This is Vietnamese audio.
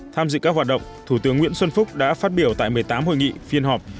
tham dự các hoạt động thủ tướng nguyễn xuân phúc đã phát biểu tại một mươi tám hội nghị phiên họp